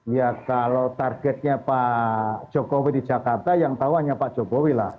ya kalau targetnya pak jokowi di jakarta yang tahu hanya pak jokowi lah